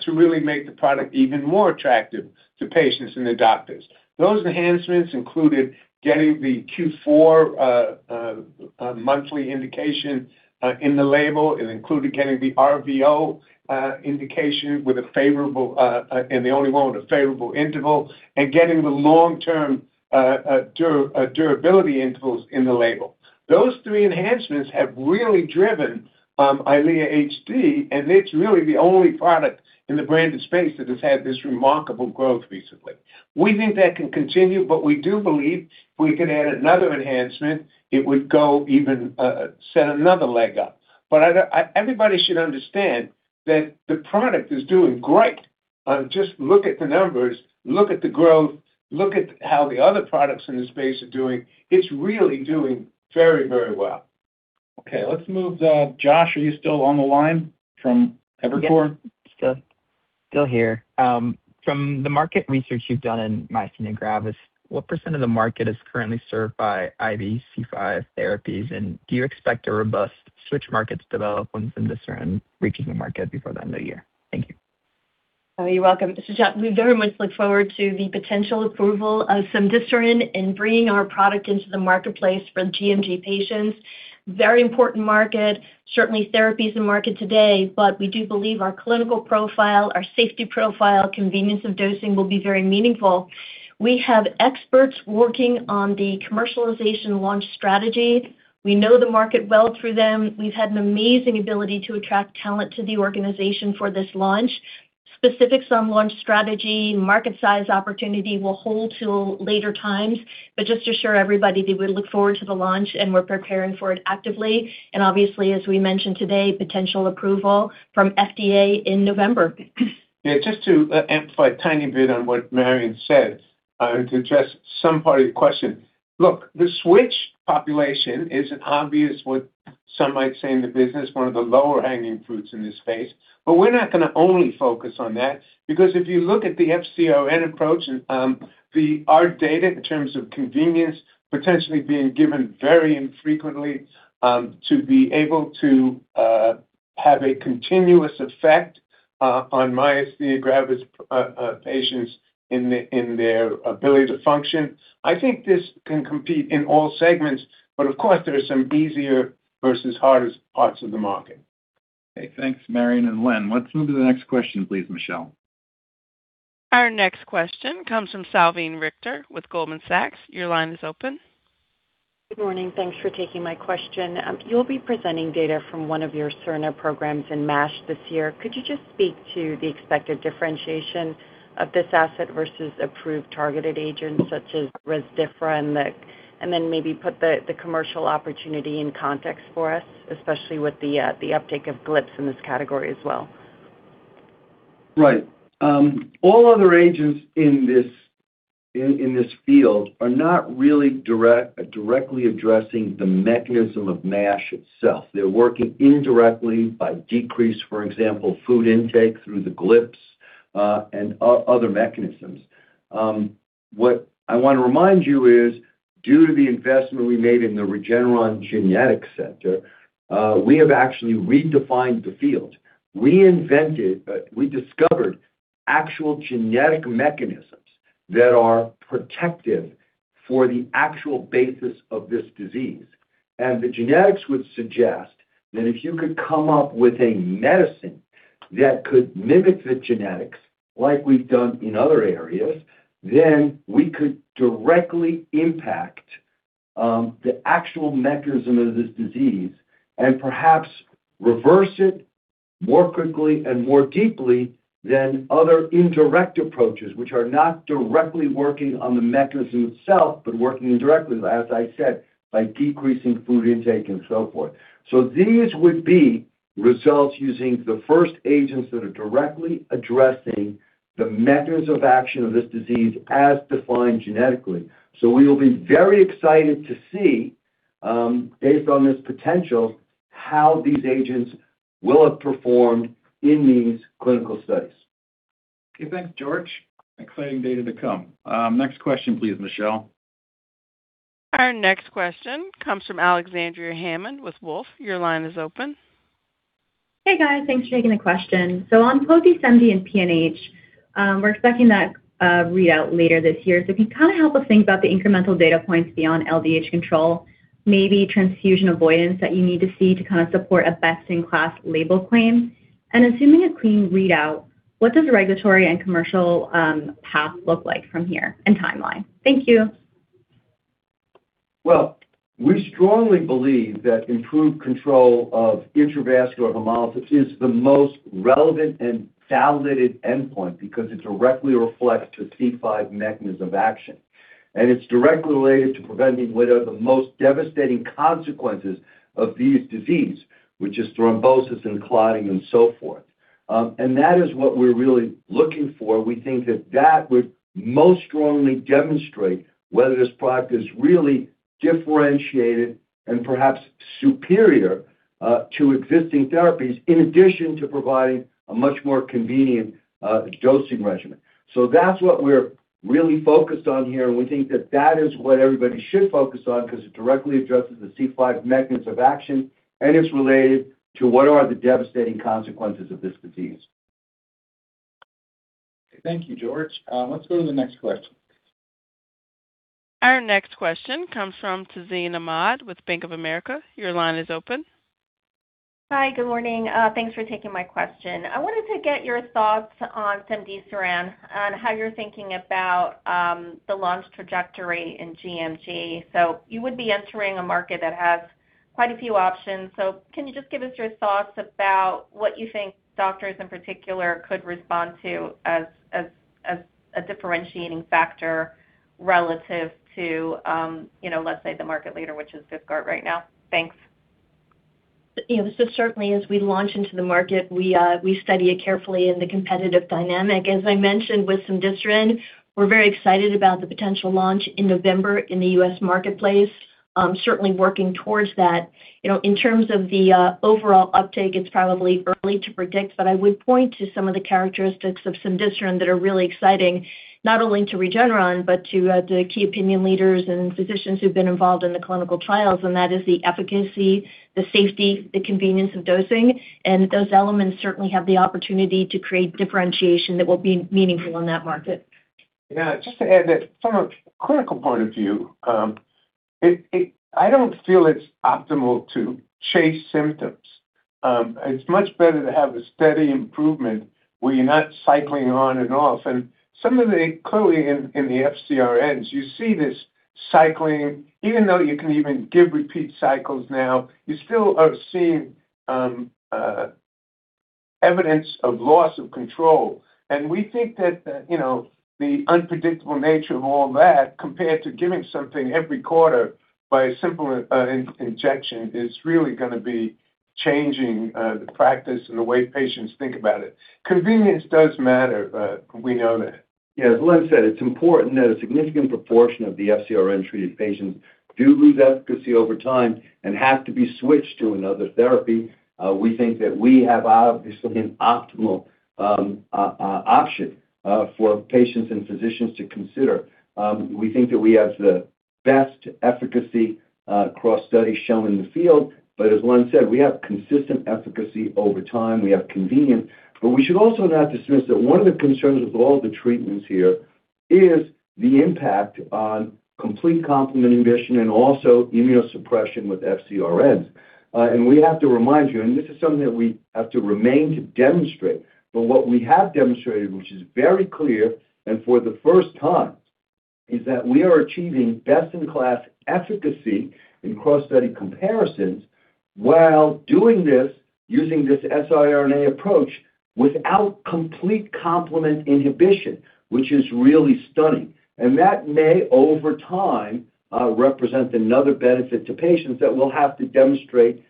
to really make the product even more attractive to patients and their doctors. Those enhancements included getting the Q4 monthly indication in the label. It included getting the RVO indication and the only one with a favorable interval, and getting the long-term durability intervals in the label. Those three enhancements have really driven EYLEA HD, and it's really the only product in the branded space that has had this remarkable growth recently. We think that can continue, but we do believe if we could add another enhancement, it would set another leg up. Everybody should understand that the product is doing great. Just look at the numbers, look at the growth, look at how the other products in the space are doing. It's really doing very well. Okay, let's move Cory, are you still on the line from Evercore? Yes. Still here. From the market research you've done in myasthenia gravis, what percent of the market is currently served by IV C5 therapies? Do you expect a robust switch market to develop when cemdisiran reaches the market before the end of the year? Thank you. You're welcome. Cory, we very much look forward to the potential approval of cemdisiran in bringing our product into the marketplace for gMG patients. Very important market. Certainly, therapy is in market today, but we do believe our clinical profile, our safety profile, convenience of dosing will be very meaningful. We have experts working on the commercialization launch strategy. We know the market well through them. We've had an amazing ability to attract talent to the organization for this launch. Specifics on launch strategy, market size opportunity, we'll hold till later times. Just to assure everybody that we look forward to the launch, and we're preparing for it actively. Obviously, as we mentioned today, potential approval from FDA in November. Yeah, just to amplify a tiny bit on what Marion said, to address some part of your question. Look, the switch population is an obvious, what some might say in the business, one of the lower-hanging fruits in this space. We're not going to only focus on that, because if you look at the FcRn approach and our data in terms of convenience, potentially being given very infrequently, to be able to have a continuous effect on myasthenia gravis patients in their ability to function, I think this can compete in all segments. Of course, there are some easier versus harder parts of the market. Okay, thanks, Marion and Len. Let's move to the next question, please, Michelle. Our next question comes from Salveen Richter with Goldman Sachs. Your line is open. Good morning. Thanks for taking my question. You'll be presenting data from one of your siRNA programs in MASH this year. Could you just speak to the expected differentiation of this asset versus approved targeted agents such as Rezdiffra, and then maybe put the commercial opportunity in context for us, especially with the uptake of GLP in this category as well? Right. All other agents in this field are not really directly addressing the mechanism of MASH itself. They're working indirectly by decreasing, for example, food intake through the GLPs and other mechanisms. What I want to remind you is, due to the investment we made in the Regeneron Genetics Center, we have actually redefined the field. We discovered actual genetic mechanisms that are protective for the actual basis of this disease. The genetics would suggest that if you could come up with a medicine that could mimic the genetics like we've done in other areas, then we could directly impact the actual mechanism of this disease and perhaps reverse it more quickly and more deeply than other indirect approaches, which are not directly working on the mechanism itself, but working indirectly, as I said, by decreasing food intake and so forth. These would be results using the first agents that are directly addressing the mechanism of action of this disease as defined genetically. We will be very excited to see, based on this potential, how these agents will have performed in these clinical studies. Okay. Thanks, George. Exciting data to come. Next question, please, Michelle. Our next question comes from Alexandria Hammond with Wolfe. Your line is open. Hey, guys. Thanks for taking the question. On pozelimab and cemdisiran and PNH, we're expecting that readout later this year. If you help us think about the incremental data points beyond LDH control, maybe transfusion avoidance that you need to see to support a best-in-class label claim. Assuming a clean readout, what does the regulatory and commercial path look like from here, and timeline? Thank you. Well, we strongly believe that improved control of intravascular hemolysis is the most relevant and validated endpoint because it directly reflects the C5 mechanism of action. It's directly related to preventing what are the most devastating consequences of this disease, which is thrombosis and clotting and so forth. That is what we're really looking for. We think that that would most strongly demonstrate whether this product is really differentiated and perhaps superior to existing therapies, in addition to providing a much more convenient dosing regimen. That's what we're really focused on here, and we think that that is what everybody should focus on because it directly addresses the C5 mechanism of action, and it's related to what are the devastating consequences of this disease. Thank you, George. Let's go to the next question. Our next question comes from Tazeen Ahmad with Bank of America. Your line is open. Hi. Good morning. Thanks for taking my question. I wanted to get your thoughts on cemdisiran on how you're thinking about the launch trajectory in gMG. You would be entering a market that has quite a few options. Can you just give us your thoughts about what you think doctors in particular could respond to as a differentiating factor relative to, let's say the market leader, which is VYVGART right now? Thanks. Certainly as we launch into the market, we study it carefully in the competitive dynamic. As I mentioned with cemdisiran, we're very excited about the potential launch in November in the U.S. marketplace. Certainly working towards that. In terms of the overall uptake, it's probably early to predict, but I would point to some of the characteristics of cemdisiran that are really exciting, not only to Regeneron, but to the key opinion leaders and physicians who've been involved in the clinical trials, and that is the efficacy, the safety, the convenience of dosing, and those elements certainly have the opportunity to create differentiation that will be meaningful in that market. Just to add that from a clinical point of view, I don't feel it's optimal to chase symptoms. It's much better to have a steady improvement where you're not cycling on and off. Some of the, clearly in the FcRn, you see this cycling. Even though you can even give repeat cycles now, you still are seeing evidence of loss of control. We think that the unpredictable nature of all that, compared to giving something every quarter by a simple injection, is really going to be changing the practice and the way patients think about it. Convenience does matter. We know that. As Len said, it's important that a significant proportion of the FcRn-treated patients do lose efficacy over time and have to be switched to another therapy. We think that we have obviously an optimal option for patients and physicians to consider. We think that we have the best efficacy across studies shown in the field. As Len said, we have consistent efficacy over time. We have convenience. We should also not dismiss that one of the concerns with all the treatments here is the impact on complete complement inhibition and also immunosuppression with FcRn. We have to remind you, and this is something that we have to remain to demonstrate, but what we have demonstrated, which is very clear and for the first time, is that we are achieving best-in-class efficacy in cross-study comparisons while doing this, using this siRNA approach, without complete complement inhibition, which is really stunning. That may, over time, represent another benefit to patients that we'll have to demonstrate,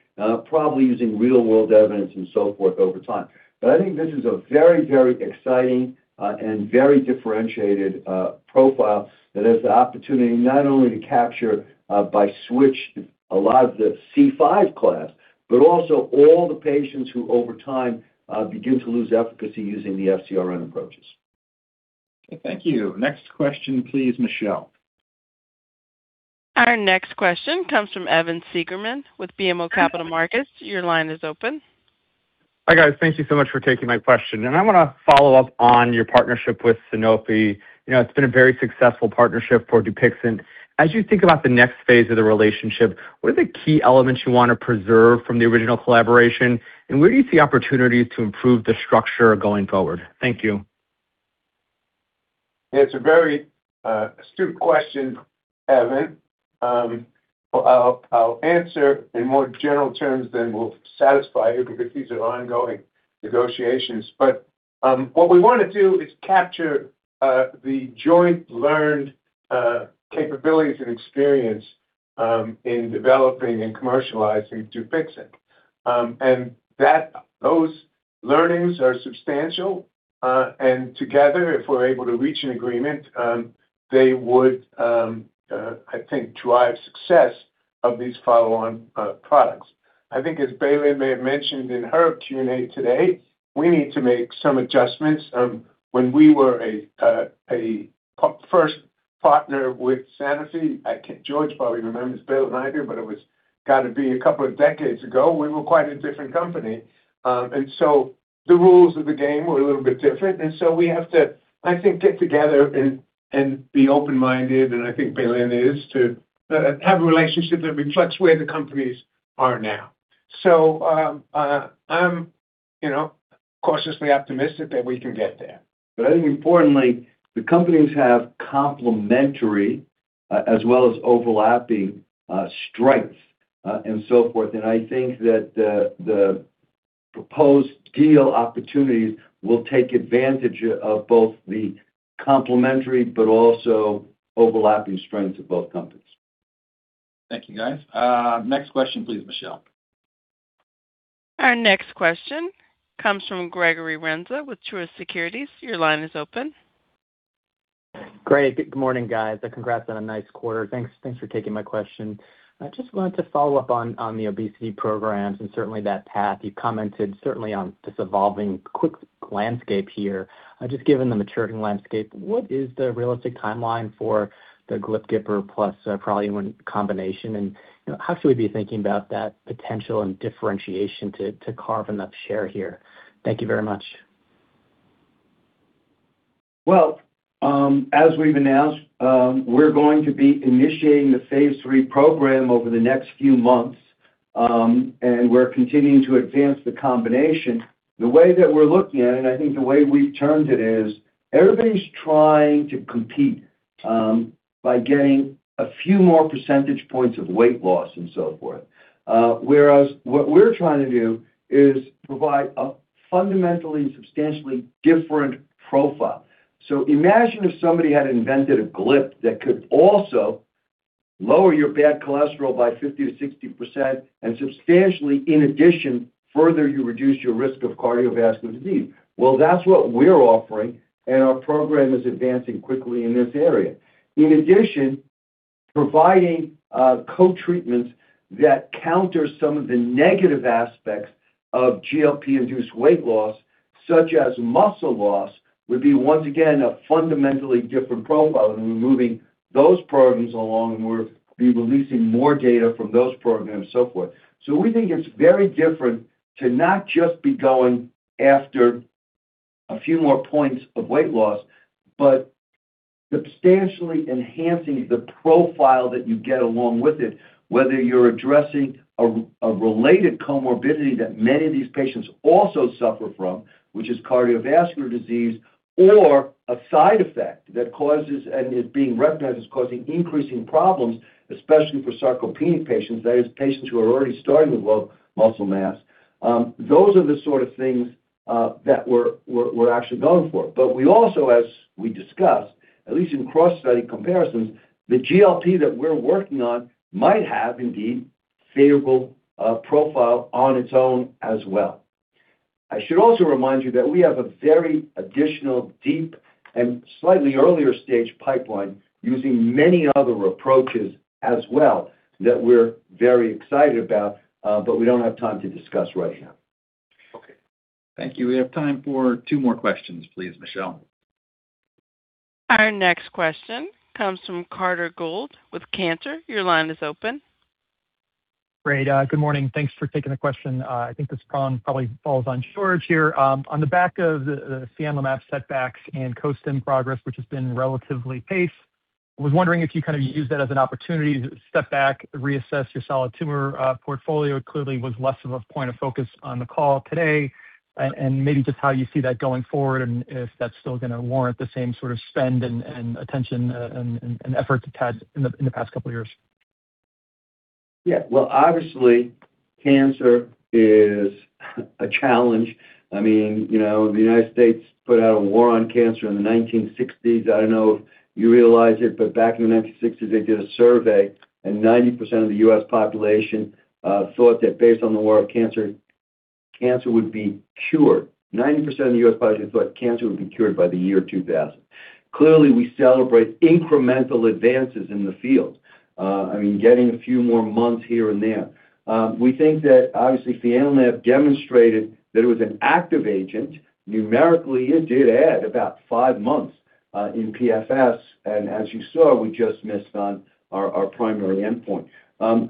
probably using real-world evidence and so forth over time. I think this is a very, very exciting and very differentiated profile that has the opportunity not only to capture by switch a lot of the C5 class, but also all the patients who over time begin to lose efficacy using the FcRn approaches. Okay. Thank you. Next question please, Michelle. Our next question comes from Evan Seigerman with BMO Capital Markets. Your line is open. Hi, guys. Thank you so much for taking my question. I want to follow up on your partnership with Sanofi. It's been a very successful partnership for DUPIXENT. As you think about the next phase of the relationship, what are the key elements you want to preserve from the original collaboration, and where do you see opportunities to improve the structure going forward? Thank you. It's a very astute question, Evan. I'll answer in more general terms than will satisfy you because these are ongoing negotiations. What we want to do is capture the joint learned capabilities and experience in developing and commercializing DUPIXENT. Those learnings are substantial, and together, if we're able to reach an agreement, they would, I think, drive success of these follow-on products. I think as Bailey may have mentioned in her Q&A today, we need to make some adjustments. When we were a first partner with Sanofi, George probably remembers, Bailey and I do, but it was got to be a couple of decades ago. We were quite a different company. The rules of the game were a little bit different, we have to, I think, get together and be open-minded, and I think Bailey is, to have a relationship that reflects where the companies are now. I'm cautiously optimistic that we can get there. I think importantly, the companies have complementary as well as overlapping strengths and so forth. I think that the proposed deal opportunities will take advantage of both the complementary but also overlapping strengths of both companies. Thank you, guys. Next question please, Michelle. Our next question comes from Gregory Renza with Truist Securities. Your line is open. Great. Good morning, guys, and congrats on a nice quarter. Thanks for taking my question. I just wanted to follow up on the obesity programs and certainly that path. You commented certainly on this evolving quick landscape here. Just given the maturing landscape, what is the realistic timeline for the glip-glipor plus PRALUENT combination, and how should we be thinking about that potential and differentiation to carve enough share here? Thank you very much. As we've announced, we're going to be initiating the phase III program over the next few months, and we're continuing to advance the combination. The way that we're looking at it, and I think the way we've termed it, is everybody's trying to compete by getting a few more percentage points of weight loss and so forth. Whereas what we're trying to do is provide a fundamentally and substantially different profile. Imagine if somebody had invented a glip that could also lower your bad cholesterol by 50%-60% and substantially, in addition, further you reduce your risk of cardiovascular disease. That's what we're offering, and our program is advancing quickly in this area. In addition, providing co-treatments that counter some of the negative aspects of GLP-induced weight loss, such as muscle loss, would be, once again, a fundamentally different profile than moving those programs along, and we'll be releasing more data from those programs, so forth. We think it's very different to not just be going after a few more points of weight loss, but substantially enhancing the profile that you get along with it, whether you're addressing a related comorbidity that many of these patients also suffer from, which is cardiovascular disease, or a side effect that causes and is being recognized as causing increasing problems, especially for sarcopenic patients, that is, patients who are already starting with low muscle mass. Those are the sort of things that we're actually going for. We also, as we discussed, at least in cross-study comparisons, the GLP that we're working on might have, indeed, favorable profile on its own as well. I should also remind you that we have a very additional deep and slightly earlier stage pipeline using many other approaches as well that we're very excited about, but we don't have time to discuss right now. Okay. Thank you. We have time for two more questions, please, Michelle. Our next question comes from Carter Gould with Cantor. Your line is open. Great. Good morning. Thanks for taking the question. I think this one probably falls on George here. On the back of the fianlimab setbacks and Cosyme progress, which has been relatively paced, I was wondering if you kind of used that as an opportunity to step back, reassess your solid tumor portfolio. It clearly was less of a point of focus on the call today, and maybe just how you see that going forward and if that's still going to warrant the same sort of spend and attention and effort it's had in the past couple of years. Well, obviously, cancer is a challenge. The U.S. put out a war on cancer in the 1960s. I don't know if you realize it, but back in the 1960s, they did a survey, and 90% of the U.S. population thought that based on the war on cancer would be cured. 90% of the U.S. population thought cancer would be cured by the year 2000. Clearly, we celebrate incremental advances in the field. Getting a few more months here and there. We think that, obviously, fianlimab demonstrated that it was an active agent. Numerically, it did add about five months in PFS, and as you saw, we just missed on our primary endpoint.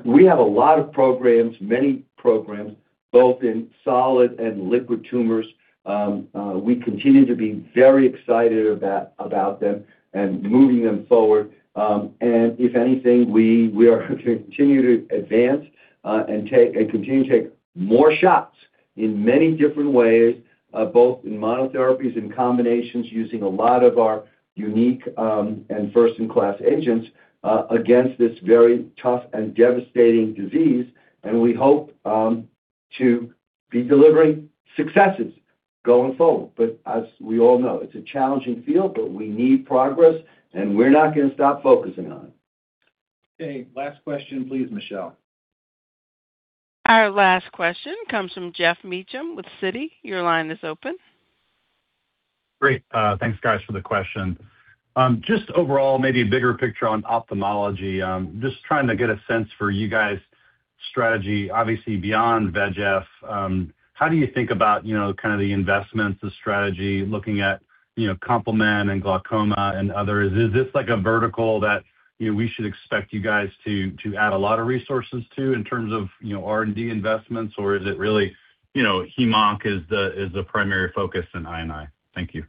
We have a lot of programs, many programs, both in solid and liquid tumors. We continue to be very excited about them and moving them forward. If anything, we are going to continue to advance and continue to take more shots in many different ways, both in monotherapies and combinations, using a lot of our unique and first-in-class agents against this very tough and devastating disease. We hope to be delivering successes going forward. As we all know, it's a challenging field, but we need progress and we're not going to stop focusing on it. Okay. Last question, please, Michelle. Our last question comes from Geoff Meacham with Citi. Your line is open. Thanks, guys, for the question. Overall, maybe a bigger picture on ophthalmology. Trying to get a sense for you guys' strategy, obviously beyond VEGF. How do you think about the investments, the strategy, looking at complement and glaucoma and others? Is this a vertical that we should expect you guys to add a lot of resources to in terms of R&D investments? Or is it hem-onc is the primary focus in I & I? Thank you.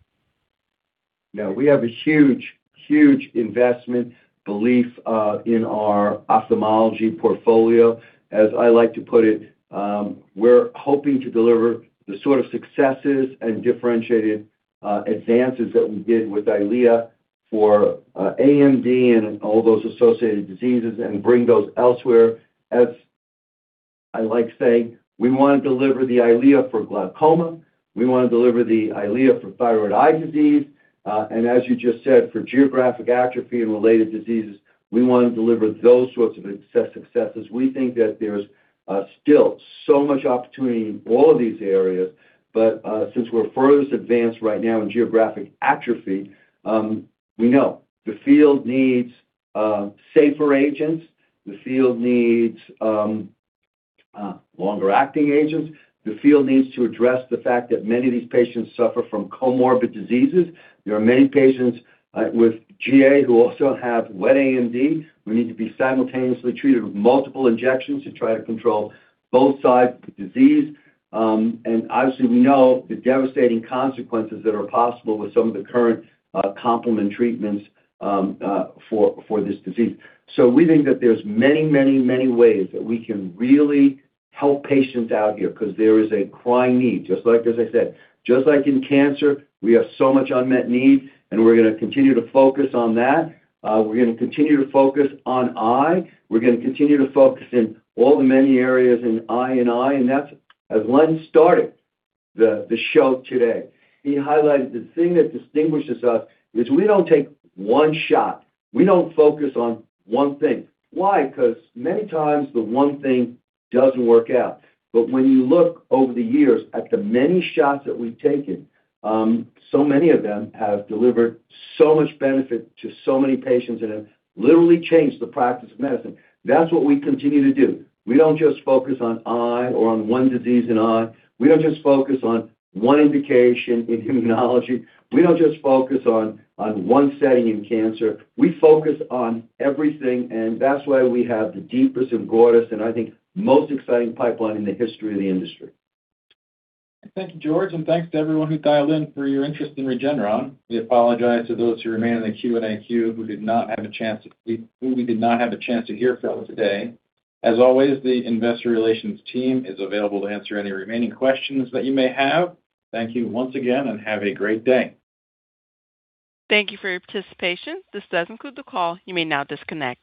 We have a huge investment belief in our ophthalmology portfolio. As I like to put it, we're hoping to deliver the sort of successes and differentiated advances that we did with EYLEA for AMD and all those associated diseases and bring those elsewhere. As I like saying, we want to deliver the EYLEA for glaucoma. We want to deliver the EYLEA for thyroid eye disease. As you just said, for geographic atrophy and related diseases, we want to deliver those sorts of successes. We think that there's still so much opportunity in all of these areas. Since we're furthest advanced right now in geographic atrophy, we know the field needs safer agents. The field needs longer acting agents. The field needs to address the fact that many of these patients suffer from comorbid diseases. There are many patients with GA who also have wet AMD, who need to be simultaneously treated with multiple injections to try to control both sides of the disease. Obviously, we know the devastating consequences that are possible with some of the current complement treatments for this disease. We think that there's many ways that we can really help patients out here because there is a crying need. As I said, just like in cancer, we have so much unmet need, and we're going to continue to focus on that. We're going to continue to focus on eye. We're going to continue to focus in all the many areas in I & I, as Len started the show today. He highlighted the thing that distinguishes us is we don't take one shot. We don't focus on one thing. Why? Many times the one thing doesn't work out. When you look over the years at the many shots that we've taken, so many of them have delivered so much benefit to so many patients and have literally changed the practice of medicine. That's what we continue to do. We don't just focus on eye or on one disease in eye. We don't just focus on one indication in immunology. We don't just focus on one setting in cancer. We focus on everything, and that's why we have the deepest and broadest and I think most exciting pipeline in the history of the industry. Thank you, George, and thanks to everyone who dialed in for your interest in Regeneron. We apologize to those who remain in the Q&A queue who we did not have a chance to hear from today. As always, the investor relations team is available to answer any remaining questions that you may have. Thank you once again, and have a great day. Thank you for your participation. This does conclude the call. You may now disconnect.